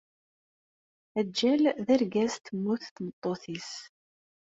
Aǧǧal d argaz i temmut tmeṭṭut-is.